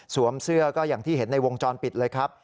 เสื้อก็อย่างที่เห็นในวงจรปิดเลยครับ